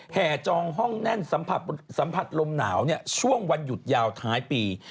แห่จองห้องแน่นสัมผัสลมหนาวช่วงวันหยุดยาวท้ายปี